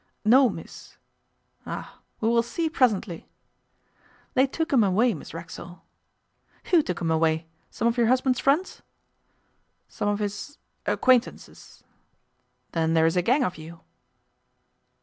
'No, miss.' 'Ah! We will see presently.' 'They took him away, Miss Racksole.' 'Who took him away? Some of your husband's friends?' 'Some of his acquaintances.' 'Then there is a gang of you?